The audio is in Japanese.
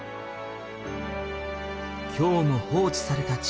今日も放置された地球。